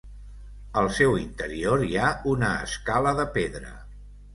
Al seu interior hi ha una escala de pedra.